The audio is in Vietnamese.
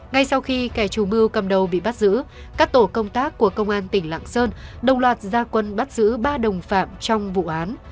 ngay sau khi kẻ trù mưu cầm đầu bị bắt giữ các tổ công tác của công an tỉnh lạng sơn đồng loạt gia quân bắt giữ ba đồng phạm trong vụ án